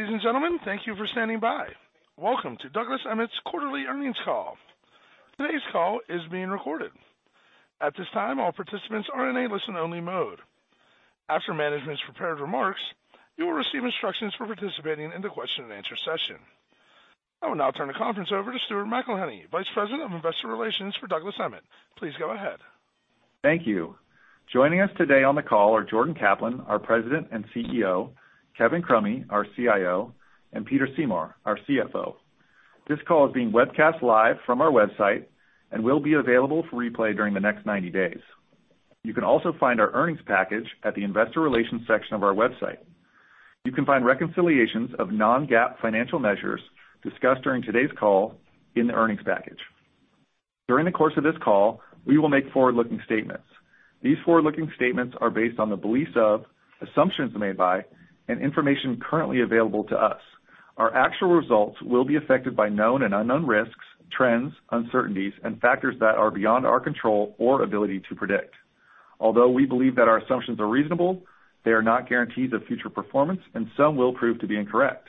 Ladies and gentlemen, thank you for standing by. Welcome to Douglas Emmett's Quarterly Earnings Call. Today's call is being recorded. At this time, all participants are in a listen-only mode. After management's prepared remarks, you will receive instructions for participating in the question-and-answer session. I will now turn the conference over to Stuart McElhinney, Vice President of Investor Relations for Douglas Emmett. Please go ahead. Thank you. Joining us today on the call are Jordan Kaplan, our President and CEO, Kevin Crummy, our CIO, and Peter Seymour, our CFO. This call is being webcast live from our website and will be available for replay during the next 90 days. You can also find our earnings package at the investor relations section of our website. You can find reconciliations of non-GAAP financial measures discussed during today's call in the earnings package. During the course of this call, we will make forward-looking statements. These forward-looking statements are based on the beliefs of, assumptions made by, and information currently available to us. Our actual results will be affected by known and unknown risks, trends, uncertainties, and factors that are beyond our control or ability to predict. Although we believe that our assumptions are reasonable, they are not guarantees of future performance, and some will prove to be incorrect.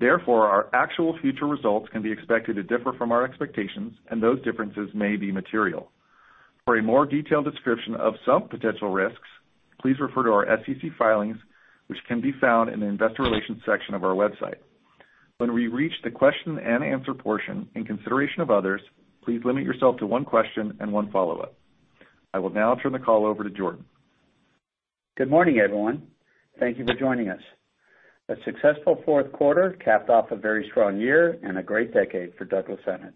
Therefore, our actual future results can be expected to differ from our expectations, and those differences may be material. For a more detailed description of some potential risks, please refer to our SEC filings, which can be found in the investor relations section of our website. When we reach the question and answer portion, in consideration of others, please limit yourself to one question and one follow-up. I will now turn the call over to Jordan. Good morning, everyone. Thank you for joining us. A successful fourth quarter capped off a very strong year and a great decade for Douglas Emmett.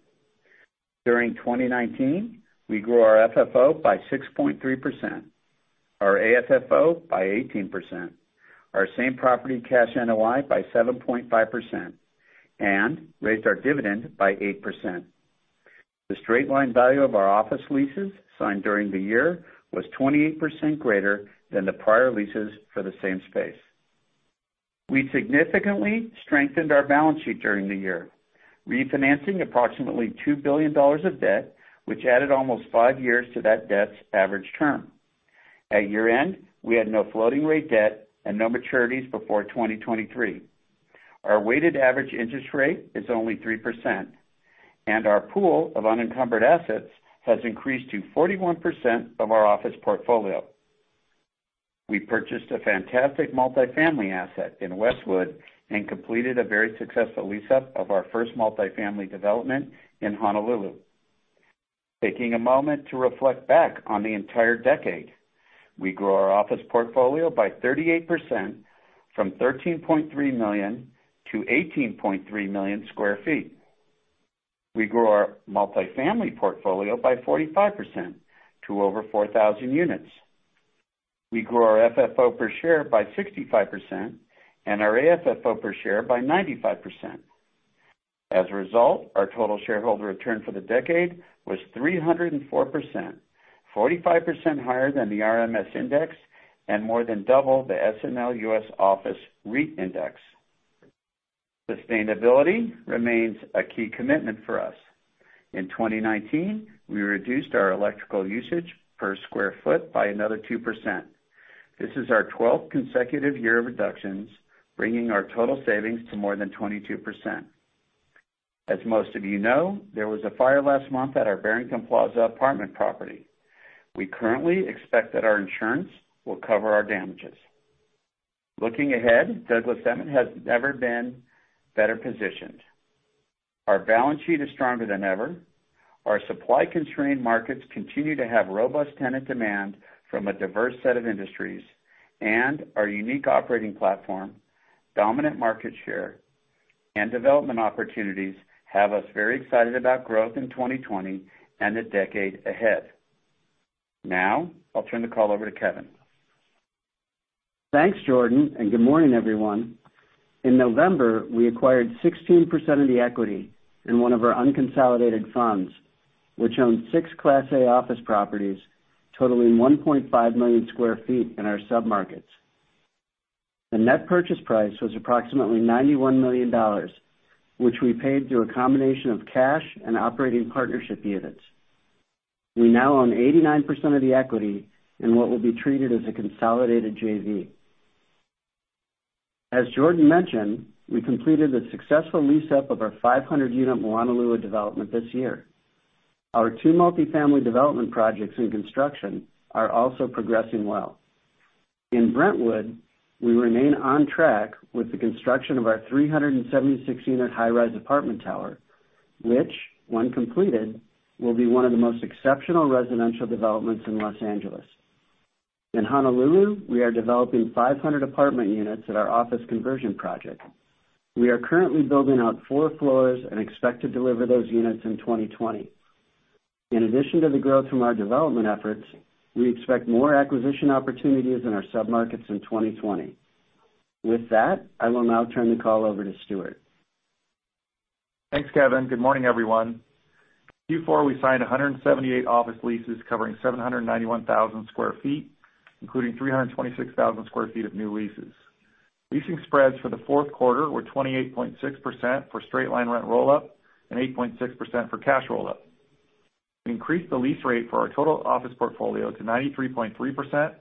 During 2019, we grew our FFO by 6.3%, our AFFO by 18%, our same property cash NOI by 7.5%, and raised our dividend by 8%. The straight line value of our office leases signed during the year was 28% greater than the prior leases for the same space. We significantly strengthened our balance sheet during the year, refinancing approximately $2 billion of debt, which added almost five years to that debt's average term. At year-end, we had no floating rate debt and no maturities before 2023. Our weighted average interest rate is only 3%, and our pool of unencumbered assets has increased to 41% of our office portfolio. We purchased a fantastic multifamily asset in Westwood and completed a very successful lease-up of our first multifamily development in Honolulu. Taking a moment to reflect back on the entire decade, we grew our office portfolio by 38%, from 13.3 million to 18.3 million square feet. We grew our multifamily portfolio by 45% to over 4,000 units. We grew our FFO per share by 65% and our AFFO per share by 95%. As a result, our total shareholder return for the decade was 304%, 45% higher than the RMZ index and more than double the SNL U.S. Office REIT Index. Sustainability remains a key commitment for us. In 2019, we reduced our electrical usage per square foot by another 2%. This is our 12th consecutive year of reductions, bringing our total savings to more than 22%. As most of you know, there was a fire last month at our Barrington Plaza apartment property. We currently expect that our insurance will cover our damages. Looking ahead, Douglas Emmett has never been better positioned. Our balance sheet is stronger than ever. Our supply-constrained markets continue to have robust tenant demand from a diverse set of industries. Our unique operating platform, dominant market share, and development opportunities have us very excited about growth in 2020 and the decade ahead. Now, I'll turn the call over to Kevin. Thanks, Jordan, and good morning, everyone. In November, we acquired 16% of the equity in one of our unconsolidated funds, which owns six Class A office properties totaling 1.5 million sq ft in our submarkets. The net purchase price was approximately $91 million, which we paid through a combination of cash and operating partnership units. We now own 89% of the equity in what will be treated as a consolidated JV. As Jordan mentioned, we completed the successful lease-up of our 500-unit Moanalua development this year. Our two multifamily development projects in construction are also progressing well. In Brentwood, we remain on track with the construction of our 376-unit high-rise apartment tower, which, when completed, will be one of the most exceptional residential developments in Los Angeles. In Honolulu, we are developing 500 apartment units at our office conversion project. We are currently building out four floors and expect to deliver those units in 2020. In addition to the growth from our development efforts, we expect more acquisition opportunities in our submarkets in 2020. With that, I will now turn the call over to Stuart. Thanks, Kevin. Good morning, everyone. Q4, we signed 178 office leases covering 791,000 square feet, including 326,000 square feet of new leases. Leasing spreads for the fourth quarter were 28.6% for straight line rent roll up and 8.6% for cash roll up. We increased the lease rate for our total office portfolio to 93.3%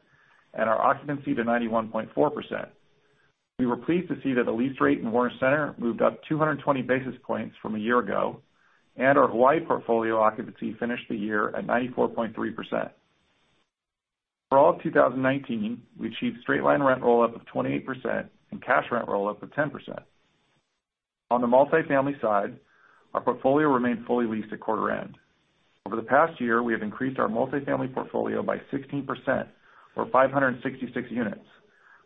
and our occupancy to 91.4%. We were pleased to see that the lease rate in Warner Center moved up 220 basis points from a year ago, and our Hawaii portfolio occupancy finished the year at 94.3%. For all of 2019, we achieved straight line rent roll up of 28% and cash rent roll up of 10%. On the multifamily side, our portfolio remained fully leased at quarter end. Over the past year, we have increased our multifamily portfolio by 16%, or 566 units,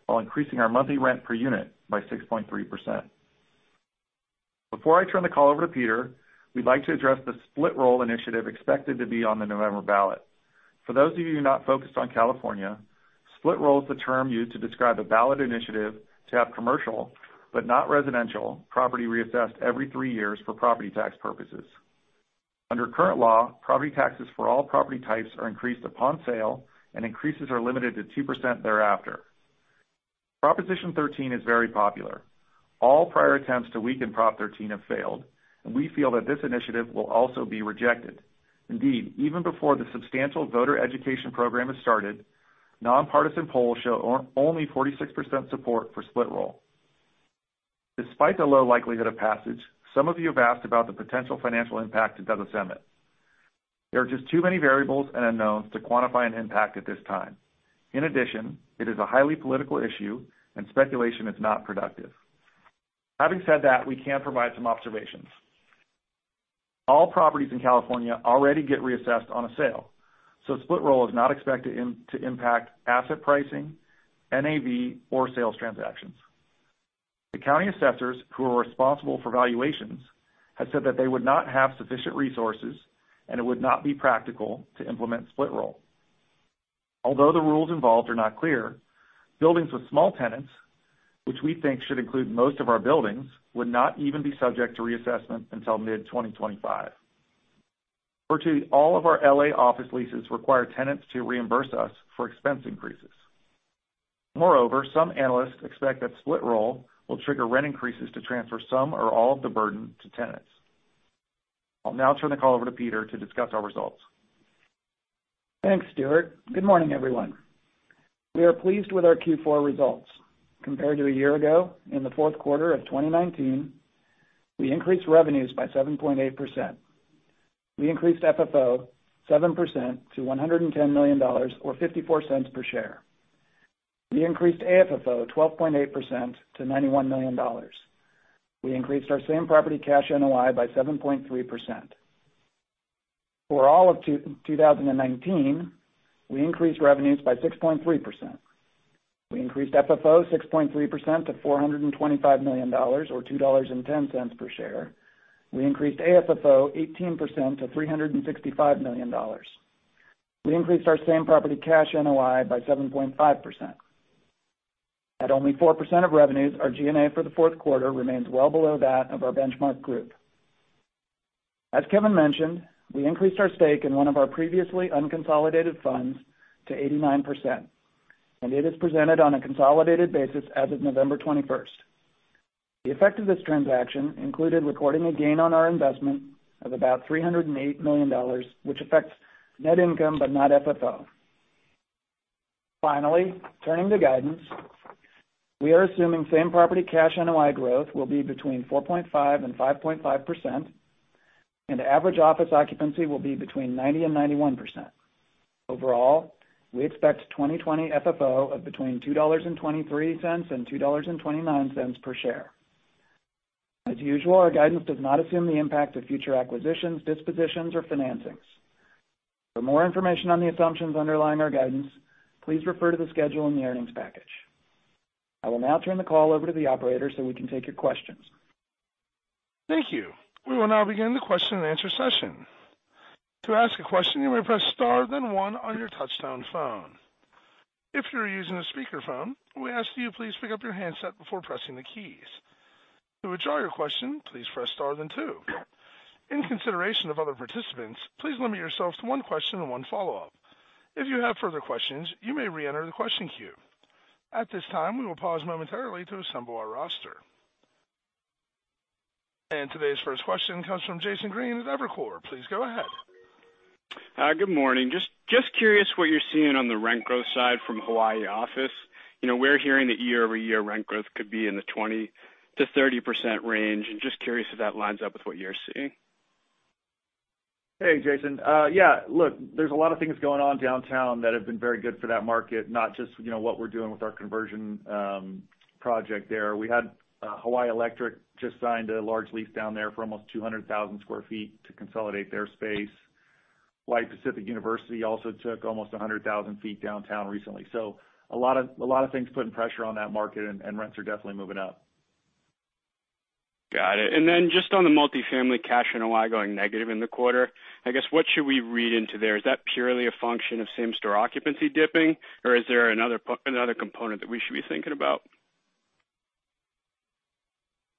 while increasing our monthly rent per unit by 6.3%. Before I turn the call over to Peter, we'd like to address the Split Roll Initiative expected to be on the November ballot. For those of you who are not focused on California, Split Roll is the term used to describe a ballot initiative to have commercial, but not residential, property reassessed every three years for property tax purposes. Under current law, property taxes for all property types are increased upon sale and increases are limited to 2% thereafter. Proposition 13 is very popular. All prior attempts to weaken Proposition 13 have failed, and we feel that this initiative will also be rejected. Indeed, even before the substantial voter education program is started, nonpartisan polls show only 46% support for Split Roll. Despite the low likelihood of passage, some of you have asked about the potential financial impact to Douglas Emmett. There are just too many variables and unknowns to quantify an impact at this time. It is a highly political issue and speculation is not productive. Having said that, we can provide some observations. All properties in California already get reassessed on a Split Roll is not expected to impact asset pricing, NAV, or sales transactions. The county assessors who are responsible for valuations have said that they would not have sufficient resources and it would not be practical to implement Split Roll. Although the rules involved are not clear, buildings with small tenants, which we think should include most of our buildings, would not even be subject to reassessment until mid-2025. Virtually all of our L.A. office leases require tenants to reimburse us for expense increases. Moreover, some analysts expect Split Roll will trigger rent increases to transfer some or all of the burden to tenants. I'll now turn the call over to Peter to discuss our results. Thanks, Stuart. Good morning, everyone. We are pleased with our Q4 results. Compared to a year ago, in the fourth quarter of 2019, we increased revenues by 7.8%. We increased FFO 7% to $110 million, or $0.54 per share. We increased AFFO 12.8% to $91 million. We increased our same-property cash NOI by 7.3%. For all of 2019, we increased revenues by 6.3%. We increased FFO 6.3% to $425 million, or $2.10 per share. We increased AFFO 18% to $365 million. We increased our same-property cash NOI by 7.5%. At only 4% of revenues, our G&A for the fourth quarter remains well below that of our benchmark group. As Kevin mentioned, we increased our stake in one of our previously unconsolidated funds to 89%, and it is presented on a consolidated basis as of November 21st. The effect of this transaction included recording a gain on our investment of about $308 million, which affects net income but not FFO. Turning to guidance, we are assuming same-property cash NOI growth will be between 4.5% and 5.5%, and average office occupancy will be between 90% and 91%. We expect 2020 FFO of between $2.23 and $2.29 per share. As usual, our guidance does not assume the impact of future acquisitions, dispositions, or financings. For more information on the assumptions underlying our guidance, please refer to the schedule in the earnings package. I will now turn the call over to the operator so we can take your questions. Thank you. We will now begin the question and answer session. To ask a question, you may press star then one on your touchtone phone. If you are using a speakerphone, we ask that you please pick up your handset before pressing the keys. To withdraw your question, please press star then two. In consideration of other participants, please limit yourself to one question and one follow-up. If you have further questions, you may reenter the question queue. At this time, we will pause momentarily to assemble our roster. Today's first question comes from Jason Green at Evercore. Please go ahead. Hi. Good morning. Just curious what you're seeing on the rent growth side from Hawaii office. We're hearing that year-over-year rent growth could be in the 20%-30% range, and just curious if that lines up with what you're seeing. Hey, Jason. Look, there's a lot of things going on downtown that have been very good for that market, not just what we're doing with our conversion project there. We had Hawaiian Electric just signed a large lease down there for almost 200,000 sq ft to consolidate their space. Hawaii Pacific University also took almost 100,000 sq ft downtown recently. A lot of things putting pressure on that market, and rents are definitely moving up. Got it. Just on the multifamily cash NOI going negative in the quarter, I guess, what should we read into there? Is that purely a function of same-store occupancy dipping, or is there another component that we should be thinking about?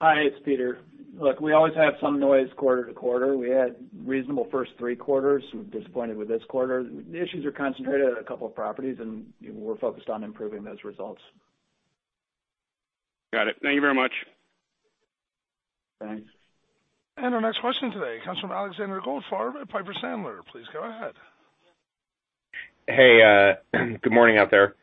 Hi, it's Peter. Look, we always have some noise quarter to quarter. We had reasonable first three quarters. We're disappointed with this quarter. The issues are concentrated at a couple of properties, and we're focused on improving those results. Got it. Thank you very much. Thanks. Our next question today comes from Alexander Goldfarb at Piper Sandler. Please go ahead. Hey, good morning out there.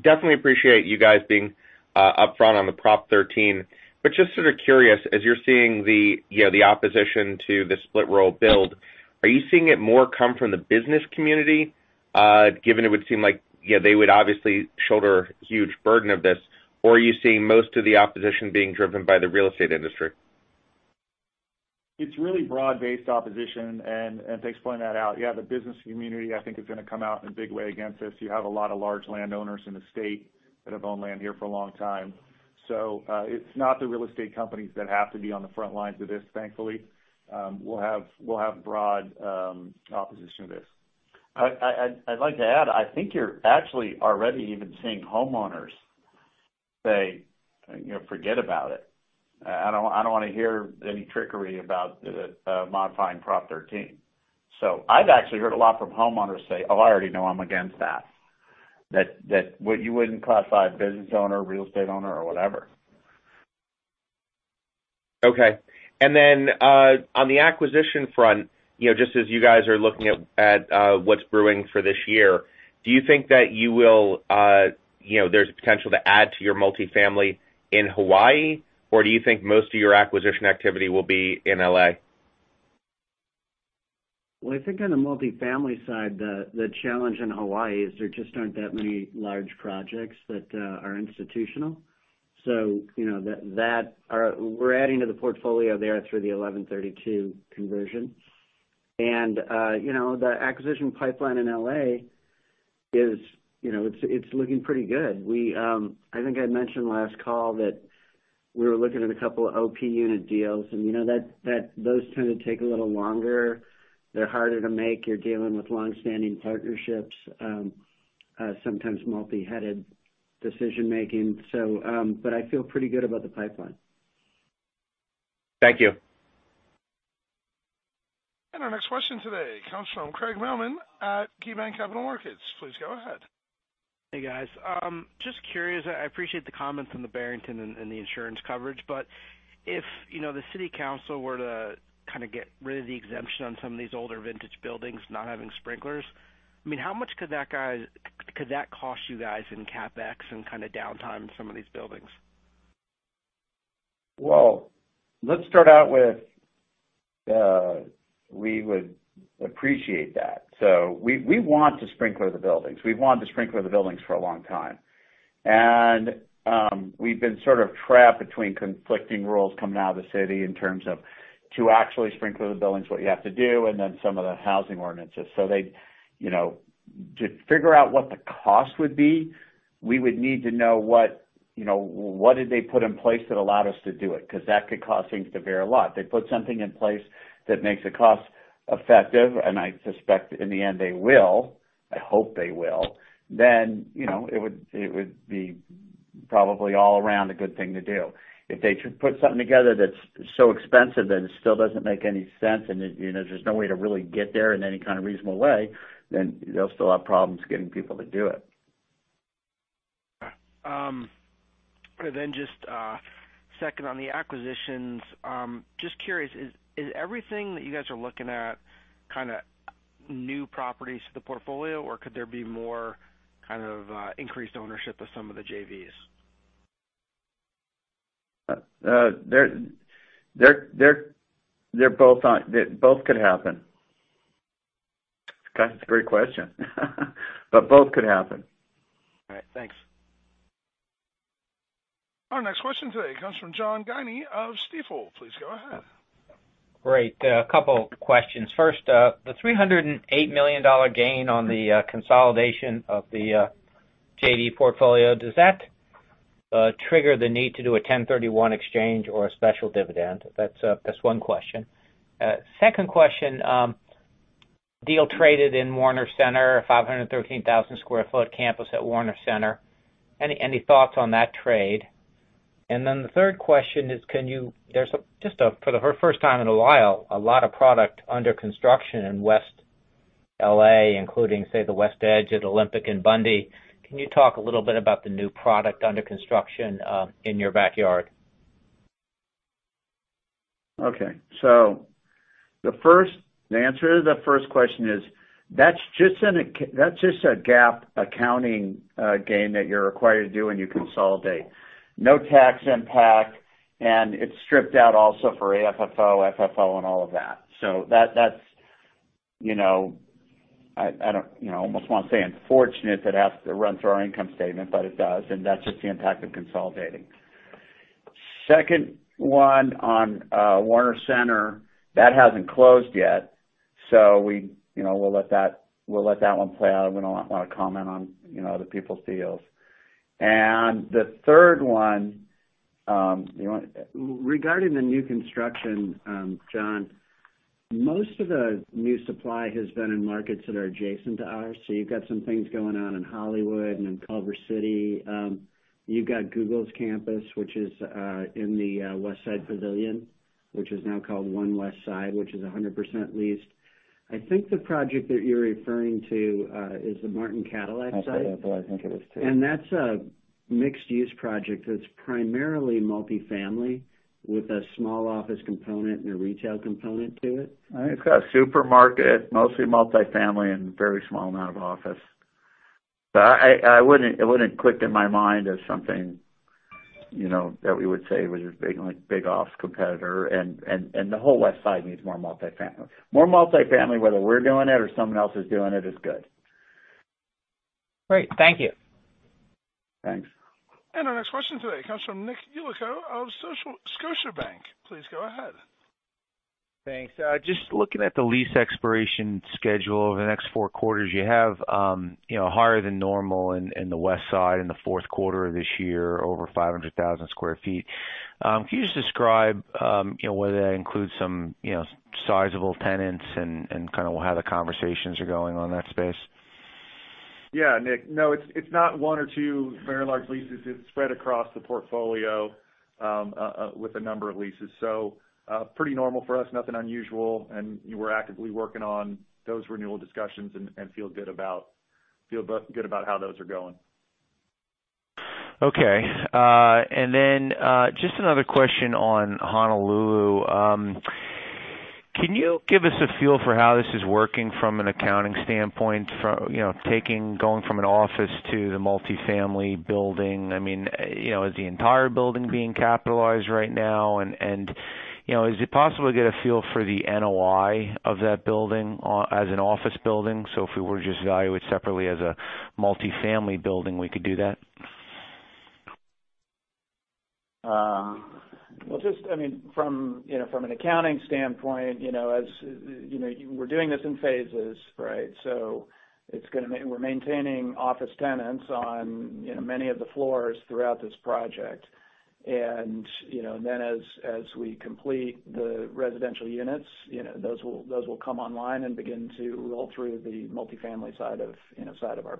Definitely appreciate you guys being upfront on the Proposition 13, but just sort of curious, as you're seeing the opposition to the Split Roll build, are you seeing it more come from the business community, given it would seem like they would obviously shoulder a huge burden of this? Or are you seeing most of the opposition being driven by the real estate industry? It's really broad-based opposition. To explain that out, yeah, the business community, I think, is going to come out in a big way against this. You have a lot of large landowners in the state that have owned land here for a long time. It's not the real estate companies that have to be on the front lines of this, thankfully. We'll have broad opposition to this. I'd like to add, I think you're actually already even seeing homeowners say, "Forget about it. I don't want to hear any trickery about modifying Proposition 13." I've actually heard a lot from homeowners say, "Oh, I already know I'm against that." That you wouldn't classify as business owner, real estate owner, or whatever. Okay. On the acquisition front, just as you guys are looking at what's brewing for this year, do you think that there's potential to add to your multifamily in Hawaii, or do you think most of your acquisition activity will be in L.A.? Well, I think on the multifamily side, the challenge in Hawaii is there just aren't that many large projects that are institutional. We're adding to the portfolio there through the 1132 conversion. The acquisition pipeline in L.A., it's looking pretty good. I think I mentioned last call that we were looking at a couple OP unit deals, and those tend to take a little longer. They're harder to make. You're dealing with long-standing partnerships, sometimes multi-headed decision-making. I feel pretty good about the pipeline. Thank you. Our next question today comes from Craig Mailman at KeyBanc Capital Markets. Please go ahead. Hey, guys. Just curious, I appreciate the comments on the Barrington and the insurance coverage. If the city council were to kind of get rid of the exemption on some of these older vintage buildings not having sprinklers, how much could that cost you guys in CapEx and kind of downtime in some of these buildings? Well, let's start out with, we would appreciate that. We want to sprinkler the buildings. We've wanted to sprinkler the buildings for a long time. We've been sort of trapped between conflicting rules coming out of the city in terms of to actually sprinkler the buildings, what you have to do, and then some of the housing ordinances. To figure out what the cost would be, we would need to know what did they put in place that allowed us to do it? Because that could cause things to vary a lot. They put something in place that makes it cost-effective, and I suspect in the end they will. I hope they will. It would be probably all around a good thing to do. If they put something together that's so expensive that it still doesn't make any sense, and there's no way to really get there in any kind of reasonable way, then they'll still have problems getting people to do it. Yeah. Just second on the acquisitions, just curious, is everything that you guys are looking at kind of new properties to the portfolio, or could there be more kind of increased ownership of some of the JVs? Both could happen. God, that's a great question. Both could happen. All right. Thanks. Our next question today comes from John Guinee of Stifel. Please go ahead. Great. A couple questions. First, the $308 million gain on the consolidation of the JV portfolio, does that trigger the need to do a 1031 exchange or a special dividend? That's one question. Second question. Deal traded in Warner Center, 513,000 sq ft campus at Warner Center. Any thoughts on that trade? The third question is, there's, for the first time in a while, a lot of product under construction in West L.A., including, say, the West Edge at Olympic and Bundy. Can you talk a little bit about the new product under construction in your backyard? Okay. The answer to the first question is, that's just a GAAP accounting gain that you're required to do when you consolidate. No tax impact, it's stripped out also for AFFO, FFO, and all of that. That's, I almost want to say unfortunate that it has to run through our income statement, but it does, and that's just the impact of consolidating. Second one on Warner Center, that hasn't closed yet. We'll let that one play out. We don't want to comment on other people's deals. The third one. Regarding the new construction, John, most of the new supply has been in markets that are adjacent to ours. You've got some things going on in Hollywood and in Culver City. You've got Google's campus, which is in the Westside Pavilion, which is now called One Westside, which is 100% leased. I think the project that you're referring to is the Martin Cadillac site. That's it. That's what I think it is, too. That's a mixed-use project that's primarily multi-family, with a small office component and a retail component to it. It's got a supermarket, mostly multi-family, and a very small amount of office. It wouldn't click in my mind as something that we would say was a big office competitor. The whole Westside needs more multi-family. More multi-family, whether we're doing it or someone else is doing it, is good. Great. Thank you. Thanks. Our next question today comes from Nicholas Yulico of Scotiabank. Please go ahead. Thanks. Just looking at the lease expiration schedule over the next four quarters, you have higher than normal in the Westside in the fourth quarter of this year, over 500,000 square feet. Can you just describe whether that includes some sizable tenants and kind of how the conversations are going on that space? Yeah, Nick. It's not one or two very large leases. It's spread across the portfolio with a number of leases. Pretty normal for us, nothing unusual, and we're actively working on those renewal discussions and feel good about how those are going. Okay. Just another question on Honolulu. Can you give us a feel for how this is working from an accounting standpoint, going from an office to the multi-family building? Is the entire building being capitalized right now? Is it possible to get a feel for the NOI of that building as an office building? If we were to just value it separately as a multi-family building, we could do that? Well, just from an accounting standpoint, we're doing this in phases, right? We're maintaining office tenants on many of the floors throughout this project. As we complete the residential units, those will come online and begin to roll through the multi-family side of our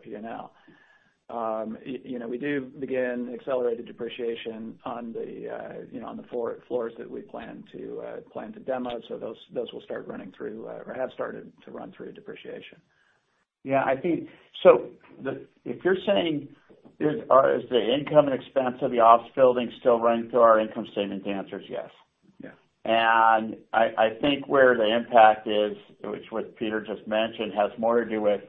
P&L. We do begin accelerated depreciation on the floors that we plan to demo, so those will start running through, or have started to run through depreciation. Yeah. If you're saying, is the income and expense of the office building still running through our income statement? The answer is yes. Yeah. I think where the impact is, which what Peter just mentioned, has more to do with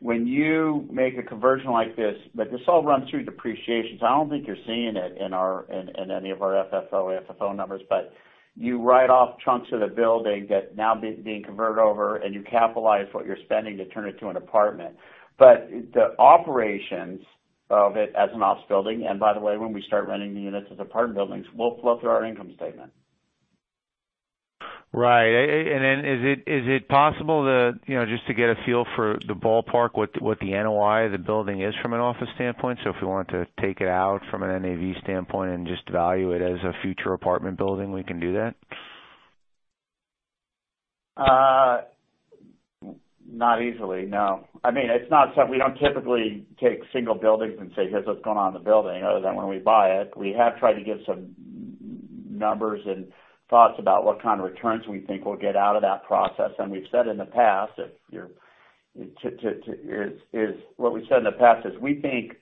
when you make a conversion like this. This all runs through depreciation, so I don't think you're seeing it in any of our FFO numbers. You write off chunks of the building that now being converted over, and you capitalize what you're spending to turn it to an apartment. The operations of it as an office building, and by the way, when we start renting the units as apartment buildings, will flow through our income statement. Right. Is it possible just to get a feel for the ballpark, what the NOI of the building is from an office standpoint? If we wanted to take it out from an NAV standpoint and just value it as a future apartment building, we can do that? Not easily, no. We don't typically take single buildings and say, "Here's what's going on in the building," other than when we buy it. We have tried to give some numbers and thoughts about what kind of returns we think we'll get out of that process. What we've said in the past is, we think,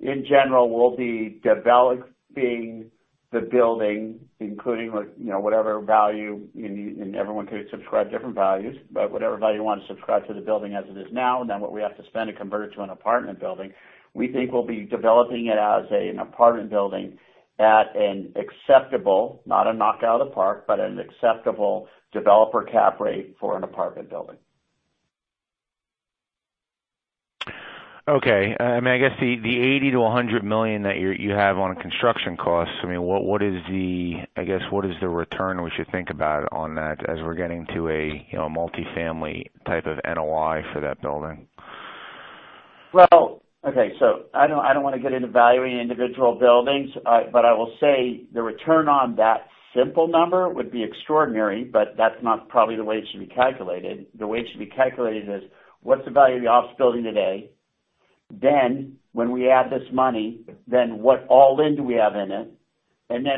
in general, we'll be developing the building, including whatever value, and everyone could subscribe different values, but whatever value we want to subscribe to the building as it is now, and then what we have to spend to convert it to an apartment building. We think we'll be developing it as an apartment building at an acceptable, not a knock out of the park, but an acceptable developer cap rate for an apartment building. Okay. I guess the $80 million-$100 million that you have on construction costs, what is the return we should think about on that as we're getting to a multi-family type of NOI for that building? Well, okay. I don't want to get into valuing individual buildings. I will say the return on that simple number would be extraordinary, but that's not probably the way it should be calculated. The way it should be calculated is, what's the value of the office building today? When we add this money, then what all-in do we have in it?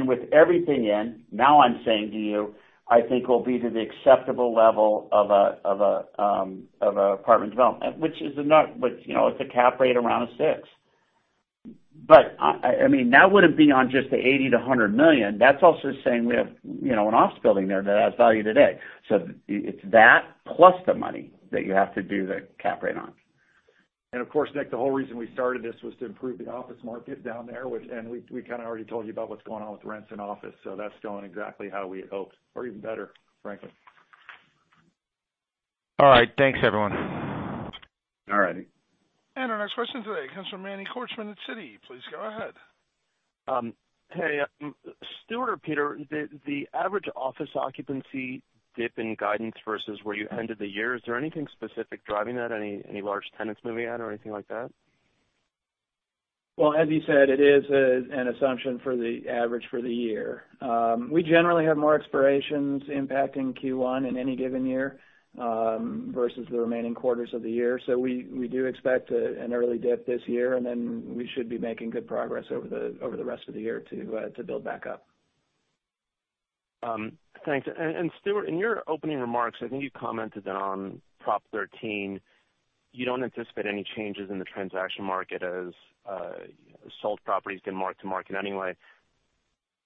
With everything in, now I'm saying to you, I think we'll be to the acceptable level of an apartment development, which it's a cap rate around 6%. That wouldn't be on just the $80 million-$100 million. That's also saying we have an office building there that has value today. It's that plus the money that you have to do the cap rate on. Of course, Nick, the whole reason we started this was to improve the office market down there. We kind of already told you about what's going on with rents and office. That's going exactly how we had hoped, or even better, frankly. All right. Thanks, everyone. All righty. Our next question today comes from Manny Korchman at Citi. Please go ahead. Hey. Stuart or Peter, the average office occupancy dip in guidance versus where you ended the year, is there anything specific driving that? Any large tenants moving out or anything like that? Well, as you said, it is an assumption for the average for the year. We generally have more expirations impacting Q1 in any given year versus the remaining quarters of the year. We do expect an early dip this year, and then we should be making good progress over the rest of the year to build back up. Thanks. Stuart, in your opening remarks, I think you commented on Proposition 13. You don't anticipate any changes in the transaction market as sold properties get marked to market anyway.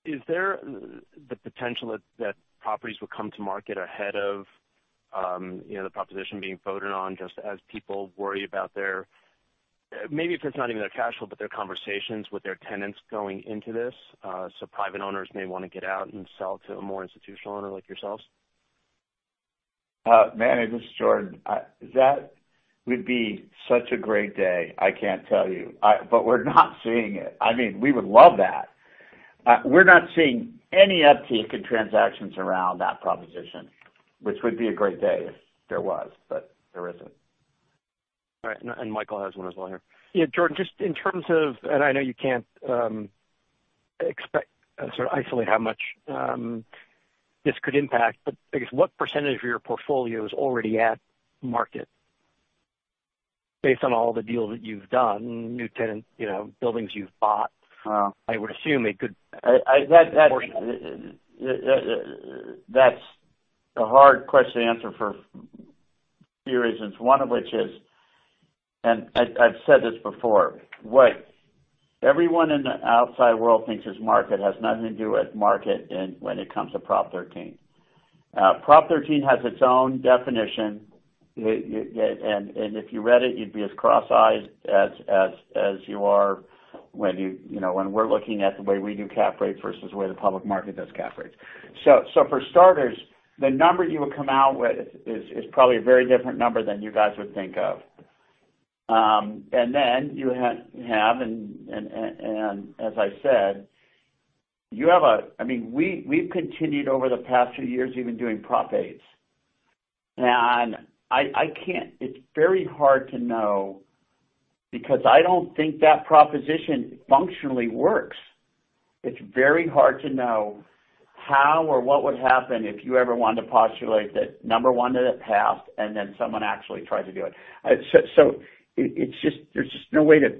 Is there the potential that properties will come to market ahead of the proposition being voted on just as people worry about their Maybe if it's not even their cash flow, but their conversations with their tenants going into this, private owners may want to get out and sell to a more institutional owner like yourselves? Man, this is Jordan. That would be such a great day, I can't tell you. We're not seeing it. We would love that. We're not seeing any uptick in transactions around that proposition, which would be a great day if there was, but there isn't. All right. Michael has one as well here. Yeah, Jordan, just in terms of, I know you can't expect or sort of isolate how much this could impact, I guess what % of your portfolio is already at market based on all the deals that you've done, new tenant buildings you've bought? That's a hard question to answer for a few reasons. One of which is, and I've said this before, what everyone in the outside world thinks is market has nothing to do with market when it comes to Proposition 13. Proposition 13 has its own definition, if you read it, you'd be as cross-eyed as you are when we're looking at the way we do cap rates versus the way the public market does cap rates. For starters, the number you would come out with is probably a very different number than you guys would think of. Then you have, and as I said, we've continued over the past few years even doing Proposition 8. It's very hard to know because I don't think that proposition functionally works. It's very hard to know how or what would happen if you ever wanted to postulate that, number one, that it passed, and then someone actually tried to do it. There's just no way to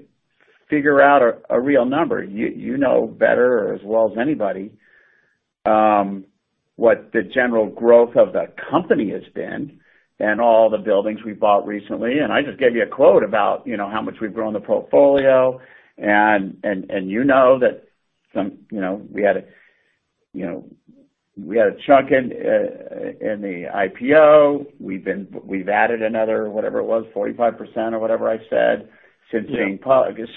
figure out a real number. You know better or as well as anybody, what the general growth of the company has been and all the buildings we bought recently, and I just gave you a quote about how much we've grown the portfolio, and you know that we had a chunk in the IPO. We've added another, whatever it was, 45% or whatever I said since being public. You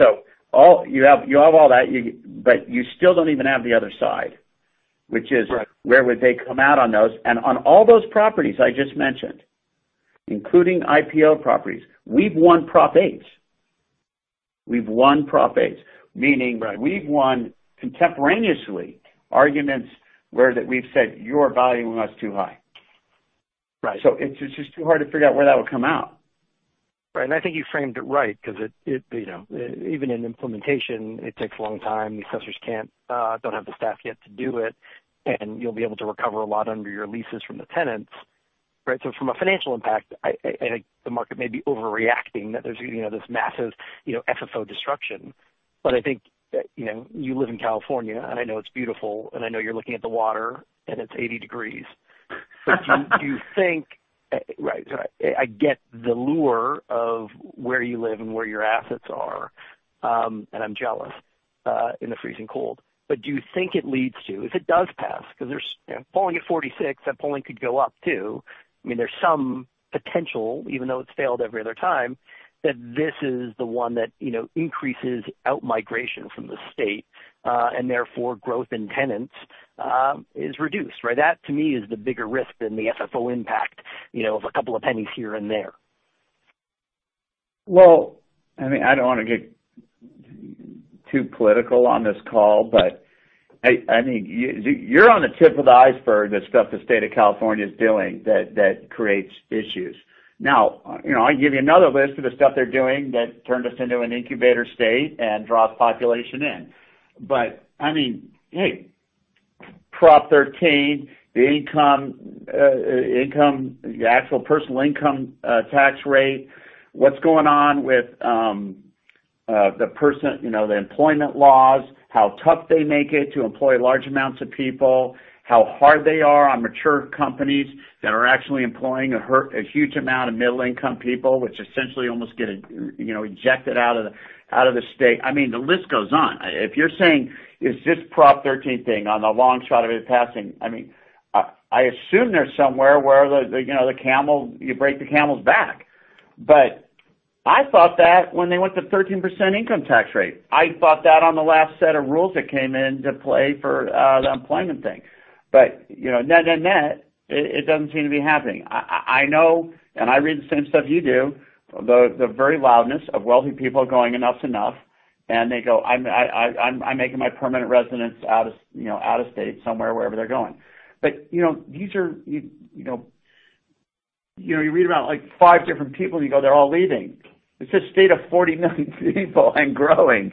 have all that, but you still don't even have the other side, which is where would they come out on those? On all those properties I just mentioned, including IPO properties, we've won Proposition 8. We've won Proposition 8. We've won contemporaneously arguments where that we've said, "You're valuing us too high. Right. It's just too hard to figure out where that would come out. Right. I think you framed it right because even in implementation, it takes a long time. The assessors don't have the staff yet to do it, and you'll be able to recover a lot under your leases from the tenants. From a financial impact, I think the market may be overreacting, that there's this massive FFO destruction. I think you live in California, and I know it's beautiful, and I know you're looking at the water and it's 80 degrees. Do you think, I get the lure of where you live and where your assets are, and I'm jealous in the freezing cold. Do you think it leads to, if it does pass, because polling at 46, that polling could go up, too. There's some potential, even though it's failed every other time, that this is the one that increases out-migration from the state, and therefore, growth in tenants is reduced, right? That, to me, is the bigger risk than the FFO impact of a couple of pennies here and there. Well, I don't want to get too political on this call, but you're on the tip of the iceberg, the stuff the state of California is doing that creates issues. Now, I can give you another list of the stuff they're doing that turned us into an incubator state and draws population in. Proposition 13, the actual personal income tax rate, what's going on with the employment laws, how tough they make it to employ large amounts of people, how hard they are on mature companies that are actually employing a huge amount of middle-income people, which essentially almost get ejected out of the state. The list goes on. You're saying, is this Proposition13 thing on the long shot of it passing, I assume there's somewhere where you break the camel's back. I thought that when they went to 13% income tax rate. I thought that on the last set of rules that came into play for the employment thing. Net, it doesn't seem to be happening. I know, and I read the same stuff you do, the very loudness of wealthy people going, "Enough's enough." They go, "I'm making my permanent residence out of state somewhere," wherever they're going. You read about five different people, and you go, "They're all leaving." It's a state of 40 million people and growing.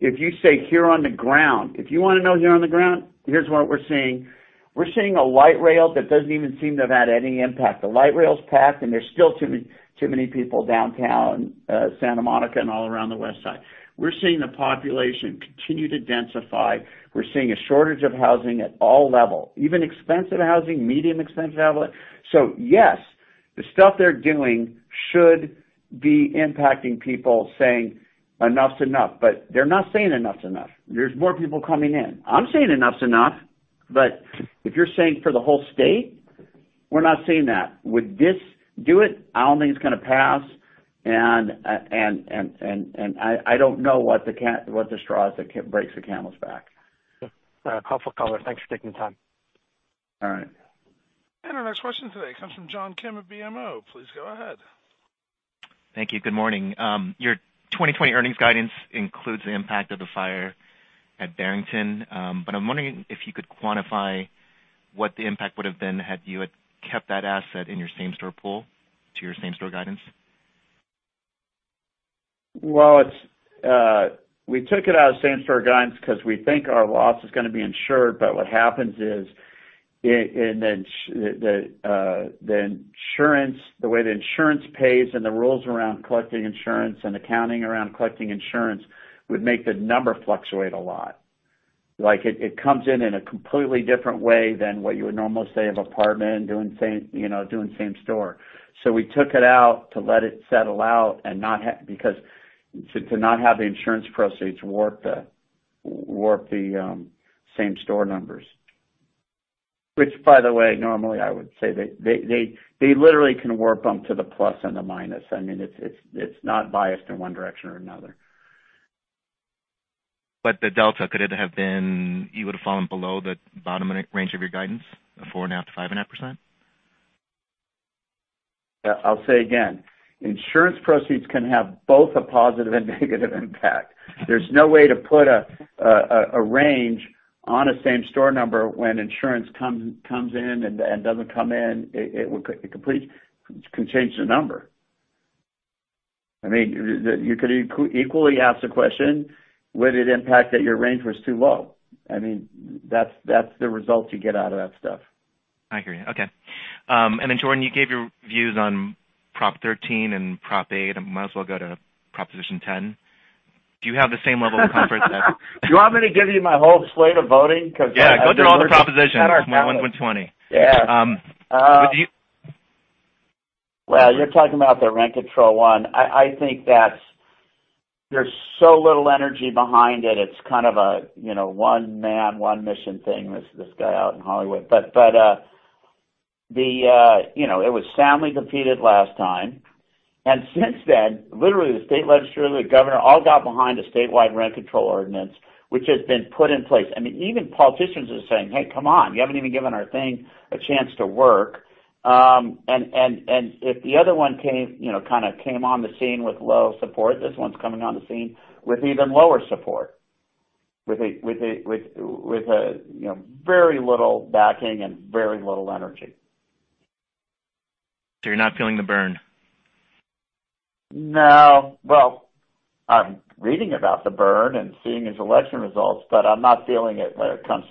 If you say here on the ground, if you want to know here on the ground, here's what we're seeing. We're seeing a light rail that doesn't even seem to have had any impact. The light rail's packed, and there's still too many people downtown Santa Monica and all around the West Side. We're seeing the population continue to densify. We're seeing a shortage of housing at all levels, even expensive housing, medium-expensive housing. The stuff they're doing should be impacting people saying enough's enough, but they're not saying enough's enough. There's more people coming in. I'm saying enough's enough, but if you're saying for the whole state, we're not seeing that. Would this do it? I don't think it's going to pass, and I don't know what the straw is that breaks the camel's back. Helpful color. Thanks for taking the time. All right. Our next question today comes from John Kim of BMO. Please go ahead. Thank you. Good morning. Your 2020 earnings guidance includes the impact of the fire at Barrington. I'm wondering if you could quantify what the impact would've been had you kept that asset in your same-store pool to your same-store guidance. We took it out of same-store guidance because we think our loss is going to be insured. What happens is, the way the insurance pays, and the rules around collecting insurance, and accounting around collecting insurance would make the number fluctuate a lot. It comes in in a completely different way than what you would normally say of a partner doing same-store. We took it out to let it settle out, to not have the insurance proceeds warp the same-store numbers. By the way, normally I would say they literally can warp them to the plus and the minus. It's not biased in one direction or another. The delta, could it have been you would've fallen below the bottom range of your guidance of 4.5%-5.5%? I'll say again, insurance proceeds can have both a positive and negative impact. There's no way to put a range on a same-store number when insurance comes in and doesn't come in, it can change the number. You could equally ask the question, would it impact that your range was too low? That's the result you get out of that stuff. I hear you. Okay. Jordan, you gave your views on Prop 13 and Prop Eight. I might as well go to Proposition 10. Do you have the same level of comfort? Do you want me to give you my whole slate of voting because? Yeah. Go through all the propositions. We're 120. Yeah. Do you- You're talking about the rent control one. I think that there's so little energy behind it. It's kind of a one man, one mission thing, this guy out in Hollywood. It was soundly defeated last time. Since then, literally the state legislature, the governor, all got behind a statewide rent control ordinance, which has been put in place. Even politicians are saying, "Hey, come on. You haven't even given our thing a chance to work." If the other one kind of came on the scene with low support, this one's coming on the scene with even lower support, with very little backing and very little energy. You're not feeling the burn? No. Well, I'm reading about the burn and seeing his election results, but I'm not feeling it when it comes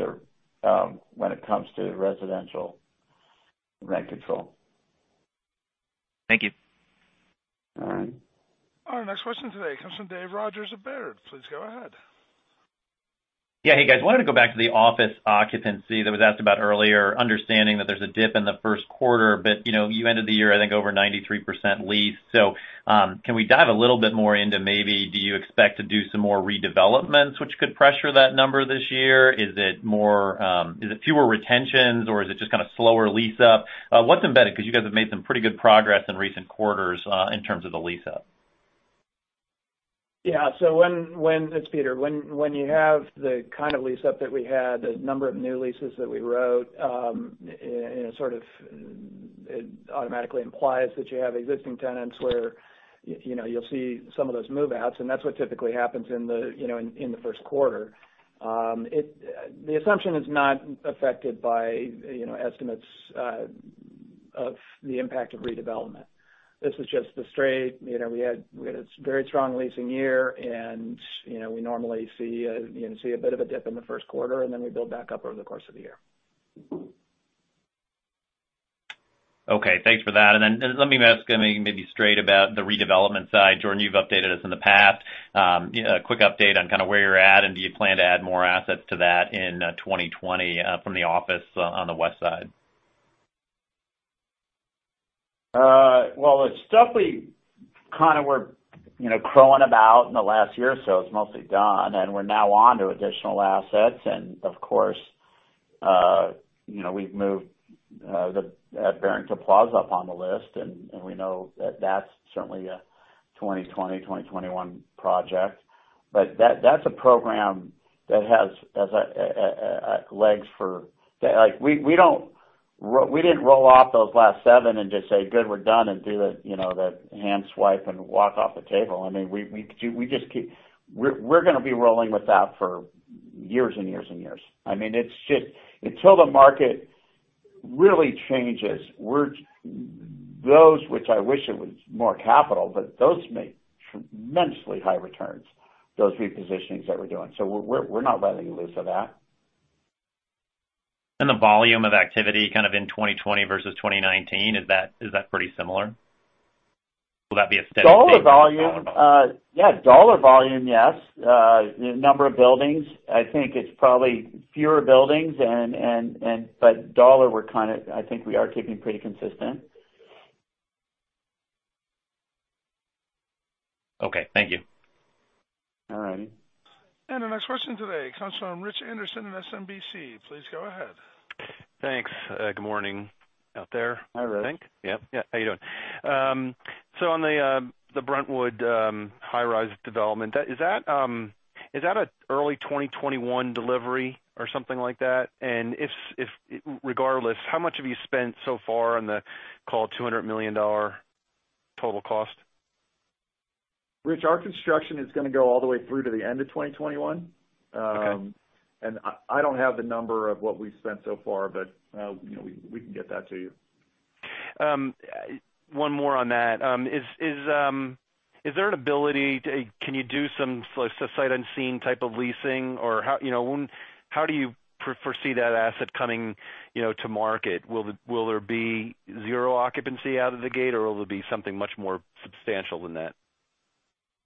to residential rent control. Thank you. All right. Our next question today comes from Dave Rodgers of Baird. Please go ahead. Hey guys. Wanted to go back to the office occupancy that was asked about earlier, understanding that there's a dip in the first quarter, but you ended the year, I think over 93% leased. Can we dive a little bit more into maybe do you expect to do some more redevelopments which could pressure that number this year? Is it fewer retentions or is it just kind of slower lease-up? What's embedded, because you guys have made some pretty good progress in recent quarters, in terms of the lease-up? Yeah. It's Peter. When you have the kind of lease-up that we had, the number of new leases that we wrote, it sort of automatically implies that you have existing tenants where you'll see some of those move-outs, and that's what typically happens in the first quarter. The assumption is not affected by estimates of the impact of redevelopment. This is just the straight We had a very strong leasing year and we normally see a bit of a dip in the first quarter, and then we build back up over the course of the year. Okay. Thanks for that. Let me ask maybe straight about the redevelopment side. Jordan, you've updated us in the past. A quick update on kind of where you're at, and do you plan to add more assets to that in 2020 from the office on the west side? Well, the stuff we kind of were crowing about in the last year or so is mostly done, and we're now onto additional assets. Of course, we've moved the Barrington Plaza up on the list, and we know that's certainly a 2020, 2021 project. That's a program that has legs. We didn't roll off those last seven and just say, "Good, we're done," and do the hand swipe and walk off the table. We're going to be rolling with that for years and years and years. Until the market really changes, those, which I wish it was more capital, but those make tremendously high returns, those repositioning that we're doing. We're not letting loose of that. The volume of activity kind of in 2020 versus 2019, is that pretty similar? Will that be a steady state going forward? Dollar volume, yeah. Dollar volume, yes. Number of buildings, I think it's probably fewer buildings, but dollar, I think we are keeping pretty consistent. Okay, thank you. All right. The next question today comes from Rich Anderson in SMBC. Please go ahead. Thanks. Good morning out there. Hi, Rich. I think. Yep. Yeah, how you doing? On the Brentwood high-rise development, is that an early 2021 delivery or something like that? Regardless, how much have you spent so far on the call $200 million total cost? Rich, our construction is going to go all the way through to the end of 2021. I don't have the number of what we've spent so far, but we can get that to you. One more on that. Can you do some sight unseen type of leasing? How do you foresee that asset coming to market? Will there be zero occupancy out of the gate, or will there be something much more substantial than that?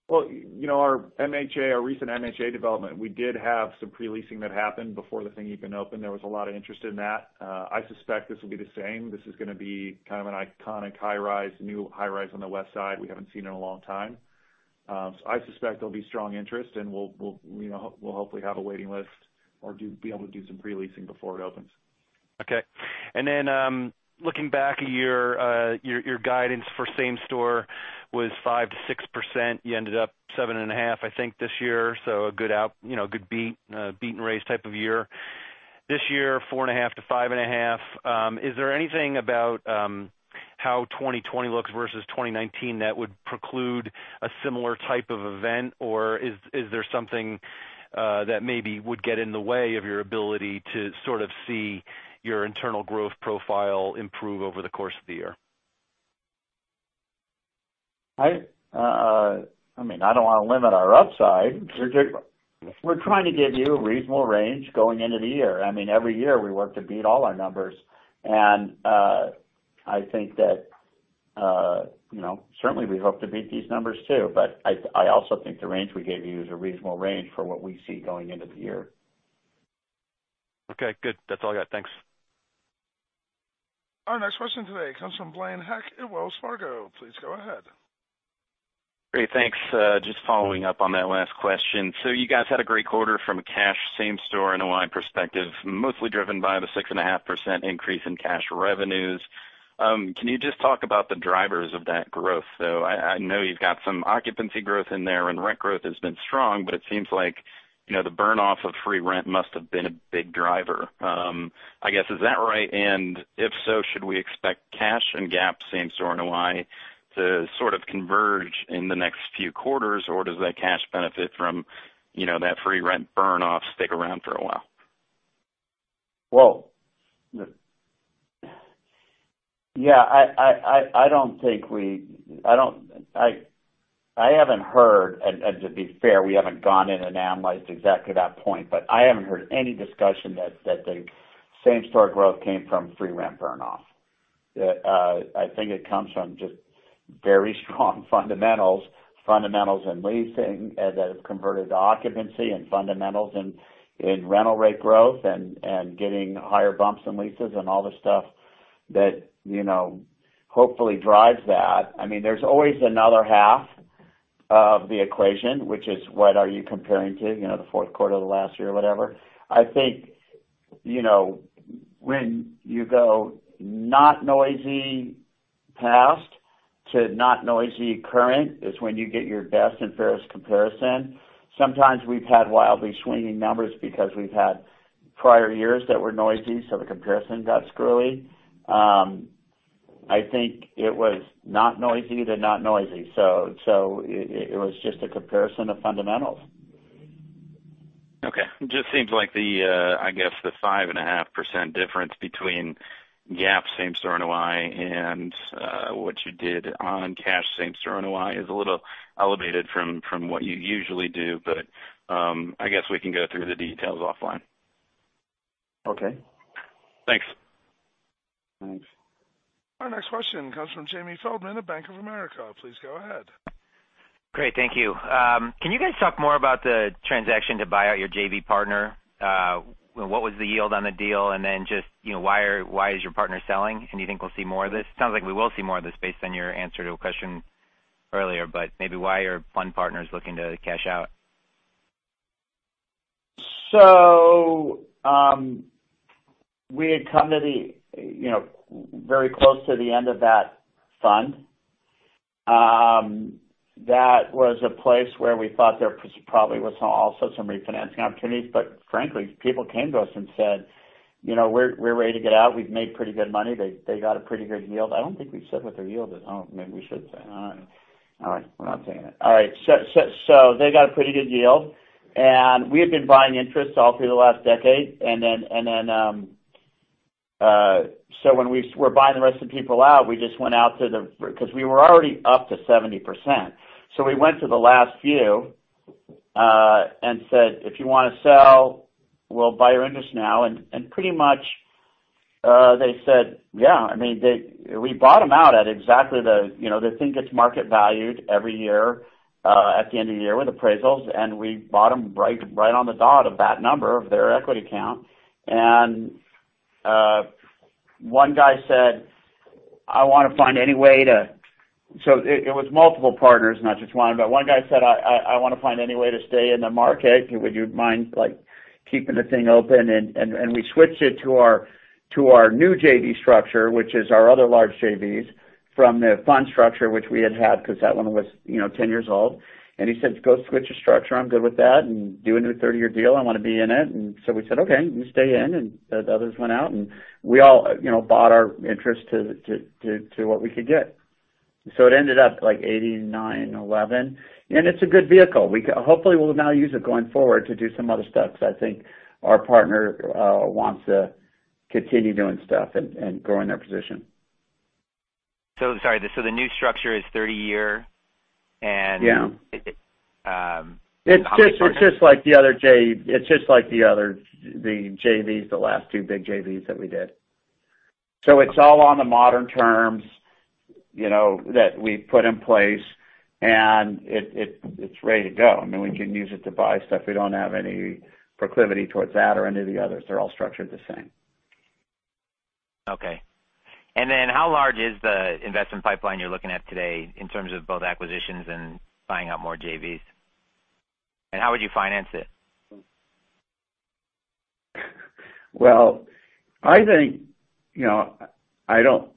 Our recent MHA development, we did have some pre-leasing that happened before the thing even opened. There was a lot of interest in that. I suspect this will be the same. This is going to be kind of an iconic high-rise, new high-rise on the West Side we haven't seen in a long time. I suspect there'll be strong interest, and we'll hopefully have a waiting list or be able to do some pre-leasing before it opens. Okay. Looking back a year, your guidance for same-store was 5%-6%. You ended up 7.5%, I think, this year. A good beat and raise type of year. This year, 4.5%-5.5%. Is there anything about how 2020 looks versus 2019 that would preclude a similar type of event, or is there something that maybe would get in the way of your ability to sort of see your internal growth profile improve over the course of the year? I don't want to limit our upside. We're trying to give you a reasonable range going into the year. Every year, we work to beat all our numbers, and I think that certainly we hope to beat these numbers, too. But I also think the range we gave you is a reasonable range for what we see going into the year. Okay, good. That's all I got. Thanks. Our next question today comes from Blaine Heck at Wells Fargo. Please go ahead. Great. Thanks. Just following up on that last question. You guys had a great quarter from a cash same-store NOI perspective, mostly driven by the 6.5% increase in cash revenues. Can you just talk about the drivers of that growth, though? I know you've got some occupancy growth in there and rent growth has been strong, but it seems like, the burn-off of free rent must have been a big driver. I guess, is that right? If so, should we expect cash and GAAP same-store NOI to sort of converge in the next few quarters, or does that cash benefit from that free rent burn-off stick around for a while? Well, yeah, I haven't heard, and to be fair, we haven't gone in and analyzed exactly that point, but I haven't heard any discussion that the same-store growth came from free rent burn-off. I think it comes from just very strong fundamentals in leasing that have converted to occupancy, and fundamentals in rental rate growth and getting higher bumps in leases and all the stuff that hopefully drives that. There's always another half of the equation, which is, what are you comparing to? The fourth quarter of the last year or whatever. I think, when you go not noisy past to not noisy current is when you get your best and fairest comparison. Sometimes we've had wildly swinging numbers because we've had prior years that were noisy, so the comparison got screwy. I think it was not noisy to not noisy. It was just a comparison of fundamentals. Okay. Just seems like the, I guess the 5.5% difference between GAAP same-store NOI and what you did on cash same-store NOI is a little elevated from what you usually do. I guess we can go through the details offline. Okay. Thanks. Thanks. Our next question comes from Jamie Feldman at Bank of America. Please go ahead. Great. Thank you. Can you guys talk more about the transaction to buy out your JV partner? What was the yield on the deal, then just, why is your partner selling? You think we'll see more of this? Sounds like we will see more of this based on your answer to a question earlier, but maybe why your fund partner's looking to cash out. We had come very close to the end of that fund. That was a place where we thought there probably was also some refinancing opportunities, but frankly, people came to us and said, "We're ready to get out. We've made pretty good money." They got a pretty good yield. I don't think we've said what their yield is. Maybe we should say. All right. We're not saying it. All right. They got a pretty good yield, and we had been buying interest all through the last decade. When we were buying the rest of the people out, we just went out to the because we were already up to 70%. We went to the last few, and said, "If you want to sell, we'll buy your interest now." Pretty much they said, yeah. We bought them out at exactly the They think it's market valued every year, at the end of the year with appraisals, and we bought them right on the dot of that number of their equity count. One guy said, "I want to find any way to" It was multiple partners, not just one, but one guy said, "I want to find any way to stay in the market. Would you mind keeping the thing open?" We switched it to our new JV structure, which is our other large JVs, from the fund structure which we had had, because that one was 10 years old. He said, "Go switch the structure, I'm good with that, and do a new 30-year deal. I want to be in it." We said, "Okay, you stay in." The others went out, and we all bought our interest to what we could get. It ended up like 89, 11. It's a good vehicle. Hopefully we'll now use it going forward to do some other stuff, because I think our partner wants to continue doing stuff and growing their position. Sorry. The new structure is 30-year. Yeah How many partners? It's just like the other JVs, the last two big JVs that we did. It's all on the modern terms that we've put in place, and it's ready to go. We can use it to buy stuff. We don't have any proclivity towards that or any of the others. They're all structured the same. Okay. Then how large is the investment pipeline you're looking at today in terms of both acquisitions and buying out more JVs? How would you finance it? I think,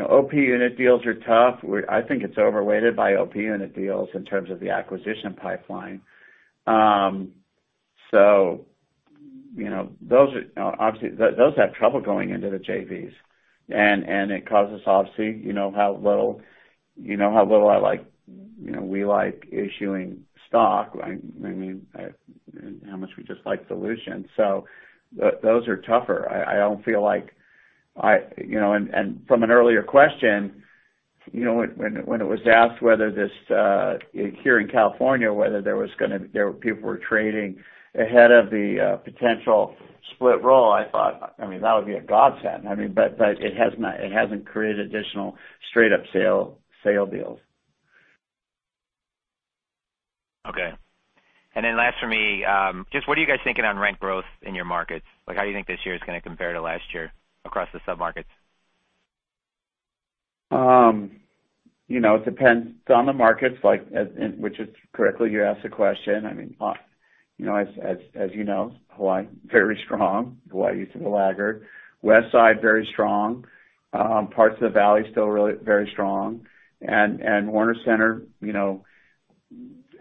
OP unit deals are tough. I think it's overweighted by OP unit deals in terms of the acquisition pipeline. Obviously, those have trouble going into the JVs, and it causes, obviously, you know how little we like issuing stock. How much we just like solutions. Those are tougher. From an earlier question, when it was asked here in California, whether people were trading ahead of the potential Split Roll, I thought that would be a godsend. It hasn't created additional straight-up sale deals. Okay. Last from me, just what are you guys thinking on rent growth in your markets? How do you think this year is going to compare to last year across the sub-markets? It depends on the markets, which is correctly you asked the question. As you know, Hawaii, very strong. Hawaii used to be a laggard. Westside, very strong. Parts of the Valley still very strong. Warner Center,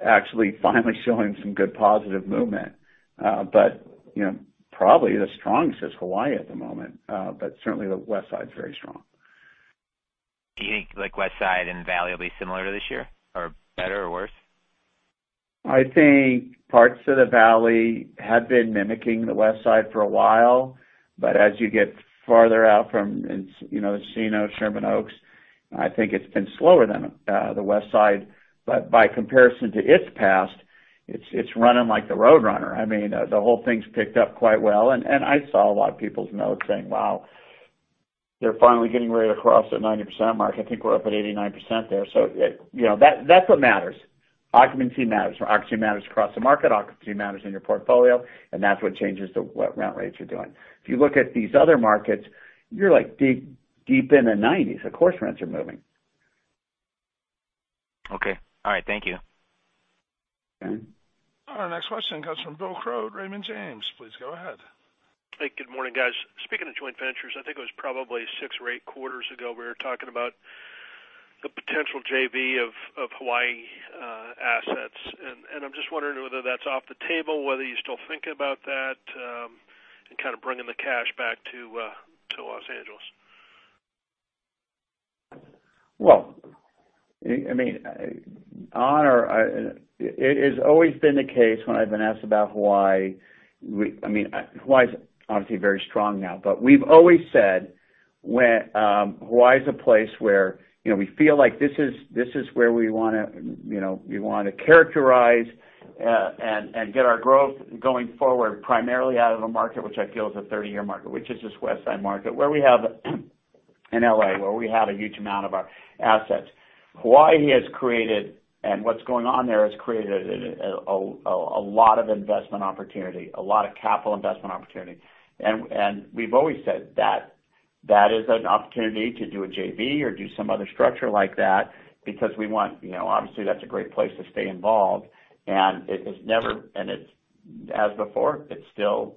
actually finally showing some good positive movement. Probably the strongest is Hawaii at the moment. Certainly the Westside's very strong. Do you think Westside and Valley will be similar this year? Better or worse? I think parts of the Valley have been mimicking the Westside for a while. As you get farther out from Encino, Sherman Oaks, I think it's been slower than the Westside. By comparison to its past, it's running like the Roadrunner. The whole thing's picked up quite well, and I saw a lot of people's notes saying, wow, they're finally getting rate across at 90% mark. I think we're up at 89% there. That's what matters. Occupancy matters. Occupancy matters across the market, occupancy matters in your portfolio, and that's what changes to what rent rates are doing. If you look at these other markets, you're deep in the 90s. Of course, rents are moving. Okay. All right. Thank you. Yeah. Our next question comes from William Crow at Raymond James. Please go ahead. Hey, good morning, guys. Speaking of joint ventures, I think it was probably six or eight quarters ago, we were talking about the potential JV of Hawaii assets, and I'm just wondering whether that's off the table, whether you're still thinking about that, and kind of bringing the cash back to Los Angeles. Well, it has always been the case when I've been asked about Hawaii. Hawaii's obviously very strong now. We've always said Hawaii's a place where we feel like this is where we want to characterize and get our growth going forward, primarily out of a market, which I feel is a 30-year market, which is this Westside market, in L.A., where we have a huge amount of our assets. Hawaii has created, and what's going on there, has created a lot of investment opportunity, a lot of capital investment opportunity. We've always said that that is an opportunity to do a JV or do some other structure like that because, obviously, that's a great place to stay involved, and as before, it's still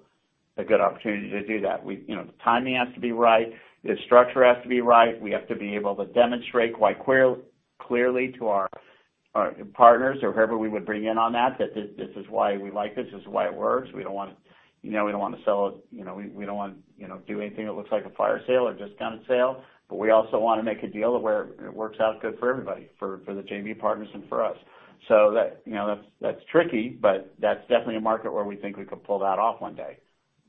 a good opportunity to do that. The timing has to be right. The structure has to be right. We have to be able to demonstrate quite clearly to our partners or whoever we would bring in on that this is why we like this is why it works. We don't want to do anything that looks like a fire sale or discounted sale, but we also want to make a deal where it works out good for everybody, for the JV partners and for us. That's tricky, but that's definitely a market where we think we could pull that off one day.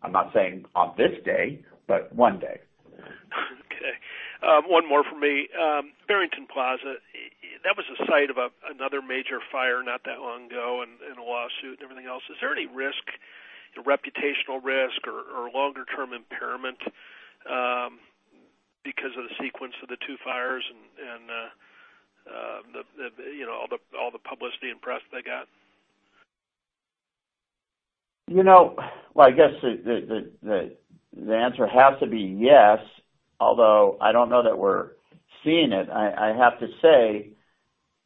I'm not saying on this day, but one day. One more from me. Barrington Plaza, that was the site of another major fire not that long ago, and a lawsuit and everything else. Is there any reputational risk or longer-term impairment because of the sequence of the two fires and all the publicity and press they got? Well, I guess the answer has to be yes, although I don't know that we're seeing it. I have to say,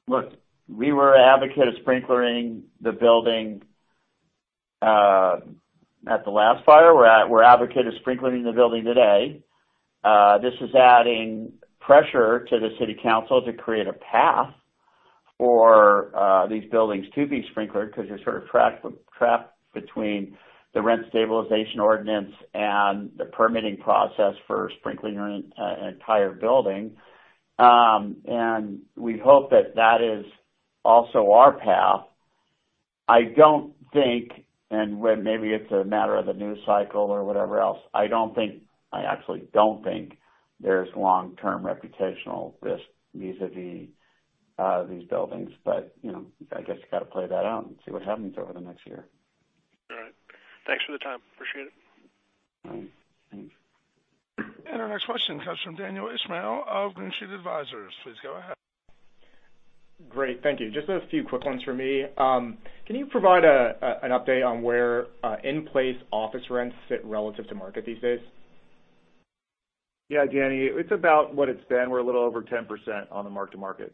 look, we were an advocate of sprinklering the building at the last fire. We're advocates of sprinklering the building today. This is adding pressure to the city council to create a path for these buildings to be sprinklered, because they're sort of trapped between the rent stabilization ordinance and the permitting process for sprinklering an entire building. We hope that that is also our path. Maybe it's a matter of the news cycle or whatever else. I actually don't think there's long-term reputational risk vis-a-vis these buildings. I guess you got to play that out and see what happens over the next year. All right. Thanks for the time. Appreciate it. All right. Thanks. Our next question comes from Daniel Ismail of Green Street Advisors. Please go ahead. Great. Thank you. Just a few quick ones from me. Can you provide an update on where in-place office rents fit relative to market these days? Yeah, Danny, it's about what it's been. We're a little over 10% on the mark-to-market.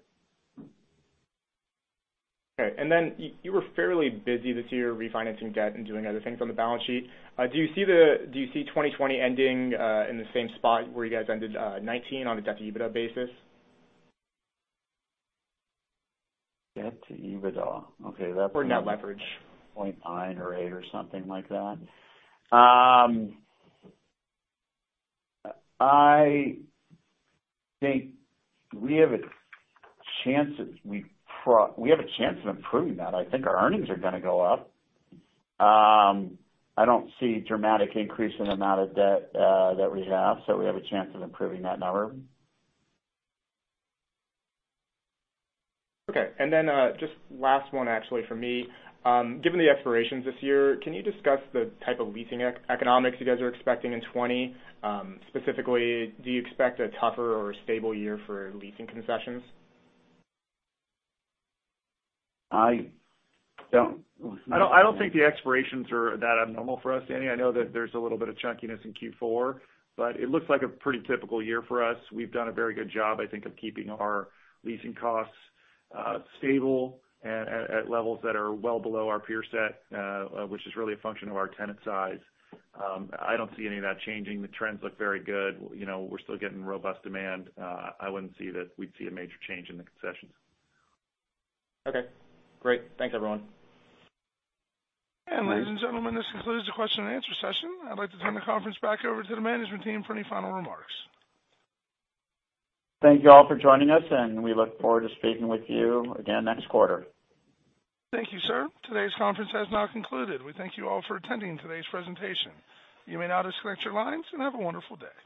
Okay. Then you were fairly busy this year refinancing debt and doing other things on the balance sheet. Do you see 2020 ending in the same spot where you guys ended 2019 on a debt-to-EBITDA basis? Debt to EBITDA. Okay. Net leverage 0.9 or eight or something like that. I think we have a chance of improving that. I think our earnings are going to go up. I don't see a dramatic increase in the amount of debt that we have, so we have a chance of improving that number. Okay. Just last one, actually, from me. Given the expirations this year, can you discuss the type of leasing economics you guys are expecting in 2020? Specifically, do you expect a tougher or a stable year for leasing concessions? I don't, I don't think the expirations are that abnormal for us, Danny. I know that there's a little bit of chunkiness in Q4, but it looks like a pretty typical year for us. We've done a very good job, I think, of keeping our leasing costs stable at levels that are well below our peer set, which is really a function of our tenant size. I don't see any of that changing. The trends look very good. We're still getting robust demand. I wouldn't see that we'd see a major change in the concessions. Okay, great. Thanks, everyone. Ladies and gentlemen, this concludes the question and answer session. I'd like to turn the conference back over to the management team for any final remarks. Thank you all for joining us, and we look forward to speaking with you again next quarter. Thank you, sir. Today's conference has now concluded. We thank you all for attending today's presentation. You may now disconnect your lines, and have a wonderful day.